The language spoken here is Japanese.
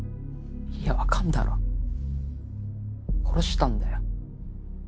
見りゃ分かんだろ殺したんだよ。